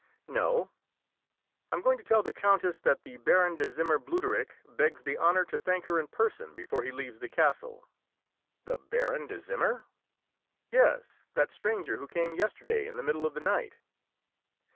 "No, I am going to tell the countess that the Baron de Zimmer Bluderich begs the honour to thank her in person before he leaves the castle." "The Baron de Zimmer?" "Yes, that stranger who came yesterday in the middle of the night."